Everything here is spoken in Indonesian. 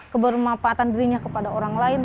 kebermanfaatan dirinya kepada orang lain